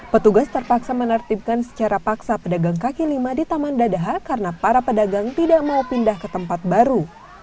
petugas terpaksa menertibkan secara paksa pedagang kaki lima di taman dadaha karena para pedagang tidak mau pindah ke tempat baru